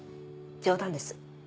冗談です。